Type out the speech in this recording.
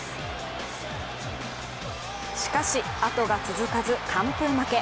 しかし、あとが続かず完封負け。